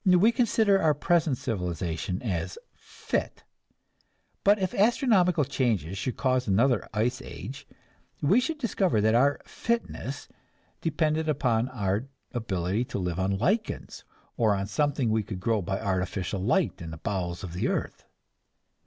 We consider our present civilization as "fit"; but if astronomical changes should cause another ice age, we should discover that our "fitness" depended upon our ability to live on lichens, or on something we could grow by artificial light in the bowels of the earth.